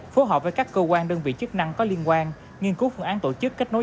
phối hợp với các cơ quan đơn vị chức năng có liên quan nghiên cứu phương án tổ chức kết nối